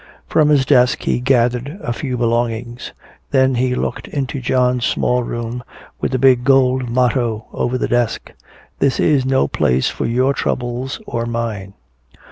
From his desk he gathered a few belongings. Then he looked into John's small room, with the big gold motto over the desk: "This is no place for your troubles or mine."